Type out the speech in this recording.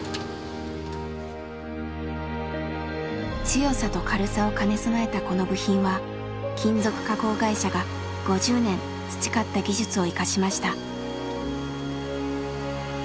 強さと軽さを兼ね備えたこの部品は金属加工会社が５０年培った技術を生かしました。